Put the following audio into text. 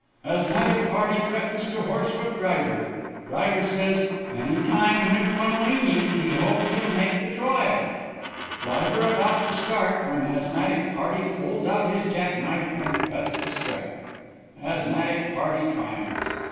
Asthmatic party threatens to horsewhip driver. Driver says, 'any time when conwenyent he hoped he'll make the trial.' Driver about to start, when asthmatic party pulls out his jack knife and cuts the strap. Asthmatic party triumphs.